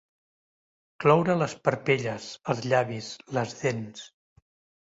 Cloure les parpelles, els llavis, les dents.